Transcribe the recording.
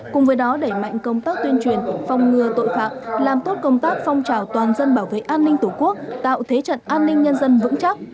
cùng với đó đẩy mạnh công tác tuyên truyền phòng ngừa tội phạm làm tốt công tác phong trào toàn dân bảo vệ an ninh tổ quốc tạo thế trận an ninh nhân dân vững chắc